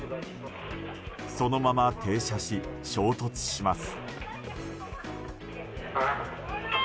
そのまま停車し、衝突します。